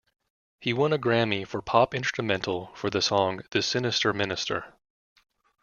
He won a Grammy for Pop Instrumental for the song "The Sinister Minister".